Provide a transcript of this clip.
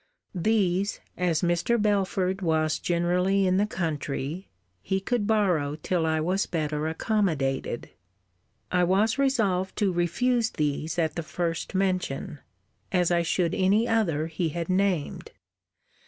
These, as Mr. Belford was generally in the country, he could borrow till I was better accommodated. I was resolved to refuse these at the first mention, as I should any other he had named.